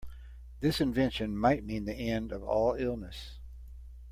This invention might mean the end of all illness.